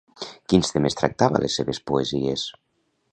Quins temes tractava a les seves poesies?